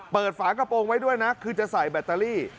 ฝากระโปรงไว้ด้วยนะคือจะใส่แบตเตอรี่